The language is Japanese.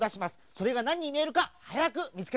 それがなんにみえるかはやくみつけてくださいね！